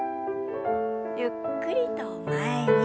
ゆっくりと前に。